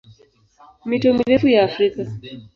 Mito mirefu ya Afrika